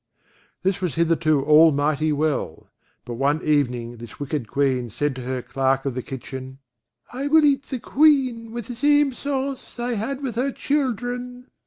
This was hitherto all mighty well: but one evening this wicked Queen said to her clerk of the kitchen: "I will eat the Queen with the same sauce I had with her children."